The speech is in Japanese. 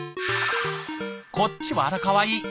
こっちはあらかわいい。